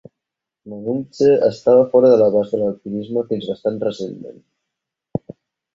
Melungtse estava fora de l'abast de l'alpinisme fins bastant recentment.